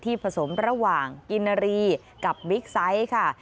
ผสมระหว่างกินนารีกับบิ๊กไซต์ค่ะ